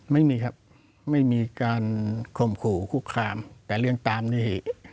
ไม่มีครับไม่มีการข่มขู่คุกคามแต่เรื่องตามนี่